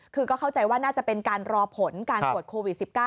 คือก็เข้าใจว่าน่าจะเป็นการรอผลการตรวจโควิด๑๙